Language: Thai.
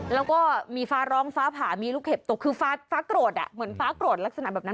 แล้วก็มีฟ้าร้องฟ้าผ่ามีลูกเห็บตกคือฟ้าฟ้าโกรธอ่ะเหมือนฟ้าโกรธลักษณะแบบนั้น